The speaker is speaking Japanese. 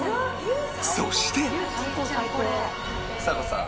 そしてちさ子さん